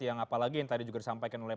yang apalagi yang tadi juga disampaikan oleh